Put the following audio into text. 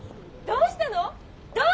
どうしたのよ？